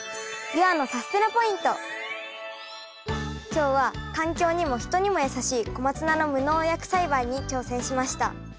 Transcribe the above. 今日は環境にも人にもやさしいコマツナの無農薬栽培に挑戦しました。